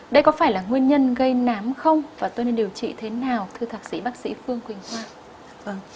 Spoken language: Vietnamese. đây có phải là nguyên nhân gây nám không và tôi nên điều trị thế nào thưa thạc sĩ bác sĩ phương quỳnh hoa